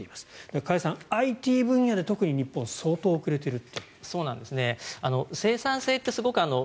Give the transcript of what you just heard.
加谷さん、ＩＴ分野で特に日本は相当遅れていると。